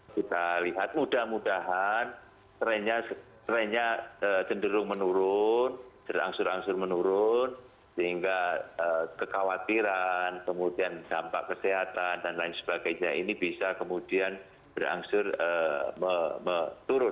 kita lihat mudah mudahan trennya cenderung menurun berangsur angsur menurun sehingga kekhawatiran kemudian dampak kesehatan dan lain sebagainya ini bisa kemudian berangsur menurun